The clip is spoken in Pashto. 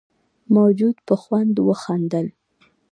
موجود په خوند وخندل.